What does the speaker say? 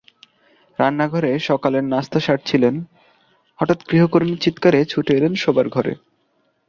রান্নাঘরে সকালের নাশতা সারছিলেন, হঠাৎ গৃহকর্মীর চিৎকারে ছুটে এলেন শোবার ঘরে।